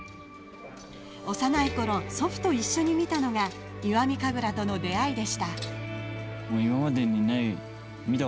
幼い頃、祖父と一緒に見たのが石見神楽との出会いでした。